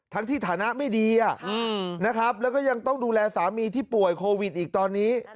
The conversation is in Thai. ที่ฐานะไม่ดีนะครับแล้วก็ยังต้องดูแลสามีที่ป่วยโควิดอีกตอนนี้